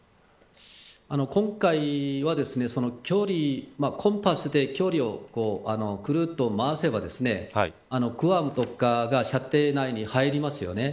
今回は距離コンパスで距離をくるっと回せばグアムとかが射程内に入りますよね。